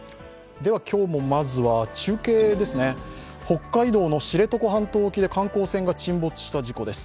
今日もまずは中継ですね、北海道の知床半島沖で観光船が沈没した事故です。